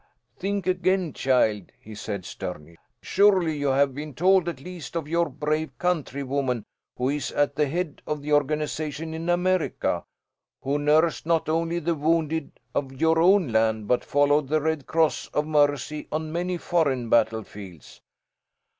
"Think again, child," he said, sternly. "Surely you have been told, at least, of your brave countrywoman who is at the head of the organisation in America, who nursed not only the wounded of your own land, but followed the Red Cross of mercy on many foreign battle fields!"